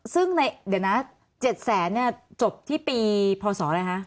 ซึ่งเดี๋ยวนะ๗๐๐๐๐๐บาทจบที่ปีพศอะไรครับ